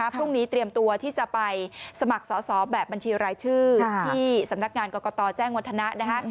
พรุ่งนี้เตรียมตัวที่จะไปสมัครสอบแบบบัญชีรายชื่อที่สำนักงานกรกตแจ้งวัฒนะนะคะ